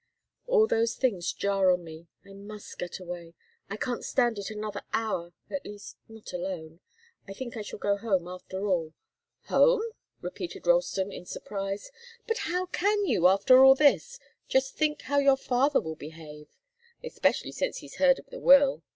All those things jar on me. I must get away. I can't stand it another hour at least not alone. I think I shall go home, after all." "Home?" repeated Ralston, in surprise. "But how can you, after all this? Just think how your father will behave! Especially since he's heard of the will.